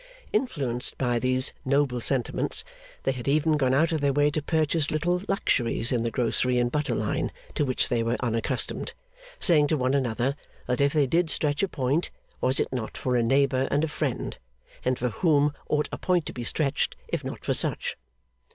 Influenced by these noble sentiments, they had even gone out of their way to purchase little luxuries in the grocery and butter line to which they were unaccustomed; saying to one another, that if they did stretch a point, was it not for a neighbour and a friend, and for whom ought a point to be stretched if not for such?